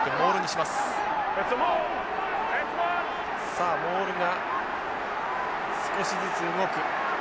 さあモールが少しずつ動く。